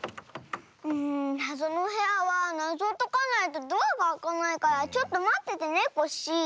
なぞのおへやはなぞをとかないとドアがあかないからちょっとまっててねコッシー。